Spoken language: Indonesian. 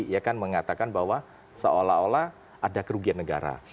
ya kan mengatakan bahwa seolah olah ada kerugian negara